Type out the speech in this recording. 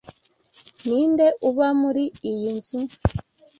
Ninde uba muri iyi nzu?